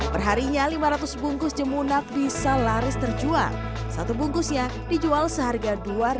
perharinya lima ratus bungkus jemunak bisa laris terjual satu bungkusnya dijual seharga